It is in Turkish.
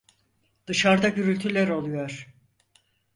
Dışarda gürültüler oluyor...